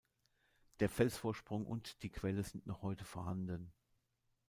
Der Felsvorsprung und die Quelle sind noch heute vorhanden.